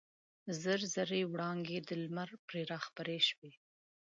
زر زري وړانګې د لمر پرې راخپرې شوې.